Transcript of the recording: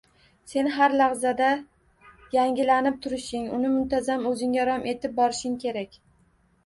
Sen har lahzada yangilanib turishing, uni muntazam o'zingga rom etib borishing kerak